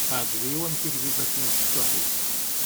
Iεǧeb-iyi wamek i tgiḍ akken i ucekkuḥ-ik.